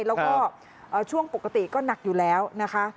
แล้วก็ช่วงปกติก็หนักอยู่แล้วนะคะ